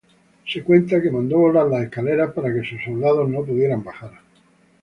Se cuenta que mandó volar las escaleras para que sus soldados no pudieran bajar.